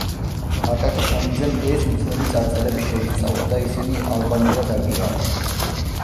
აკაკი შანიძემ ეს უცნობი წარწერები შეისწავლა და ისინი ალბანურად აღიარა.